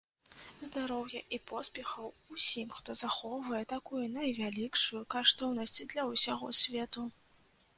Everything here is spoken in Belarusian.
Здароўя і поспехаў усім, хто захоўвае такую найвялікшую каштоўнасць для ўсяго свету.